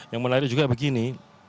yang menarik juga begini